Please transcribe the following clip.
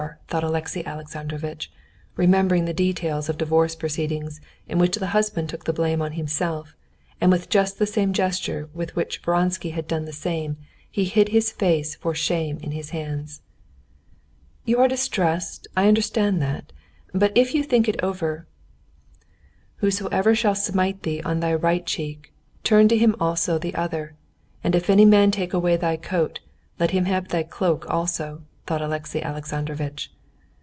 thought Alexey Alexandrovitch, remembering the details of divorce proceedings in which the husband took the blame on himself, and with just the same gesture with which Vronsky had done the same, he hid his face for shame in his hands. "You are distressed, I understand that. But if you think it over...." "Whosoever shall smite thee on thy right cheek, turn to him the other also; and if any man take away thy coat, let him have thy cloak also," thought Alexey Alexandrovitch.